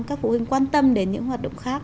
các phụ huynh quan tâm đến những hoạt động khác